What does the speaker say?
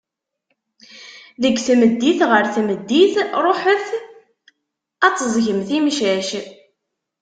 Deg tmeddit ɣer tmeddit, ruḥet ad teẓẓgem timcac.